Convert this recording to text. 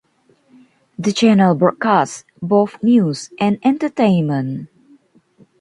The channel broadcasts both news and entertainment.